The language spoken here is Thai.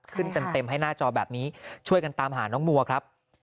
ขึ้นเต็มให้หน้าจอแบบนี้ช่วยกันตามหาน้องมัวครับ